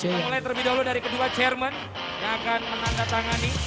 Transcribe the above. kita mulai terlebih dahulu dari kedua chairman yang akan menandatangani